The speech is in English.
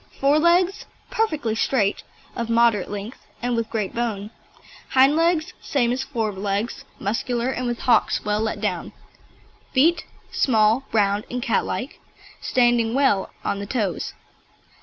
FORE LEGS Perfectly straight, of moderate length, and with great bone. HIND LEGS Same as fore legs, muscular and with hocks well let down. FEET Small, round and catlike, standing well on the toes.